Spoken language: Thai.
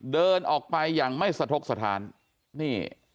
เดินออกไปอย่างไม่สะทกสถานนี่